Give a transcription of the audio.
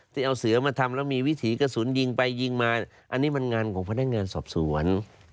ที่เอาเสือมาทำแล้วมีวิถีกระสุนยิงไปยิงมาอันนี้มันงานของพนักงานสอบสวน